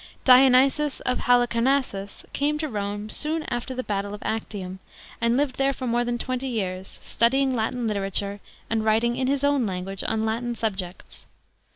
DIONYSIOS of Halicarnassus came to Rome soon after the battle of Actium and lived there for more than twenty years, studying Latin literature and writing in his own language on Latin subjects.